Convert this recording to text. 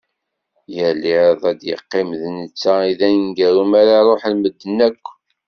Yal iḍ ad yeqqim d netta i d aneggaru, mi ara ruḥen medden akk.